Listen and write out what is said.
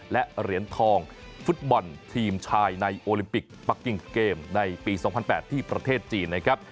และเหรียญทองฟุตบอลทีมชายในโอลิมปิกปักกิงเกมในปี๒๐๐๘ที่ประเทศจีนนะครับ